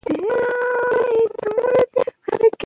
ازادي راډیو د اقلیتونه بدلونونه څارلي.